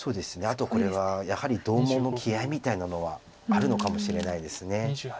あとこれはやはり同門の気合いみたいなのはあるのかもしれないです。